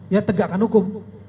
ya tegakkan hukum